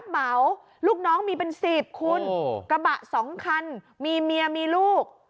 เหมาลูกน้องมีเป็น๑๐คุณกระบะ๒คันมีเมียมีลูก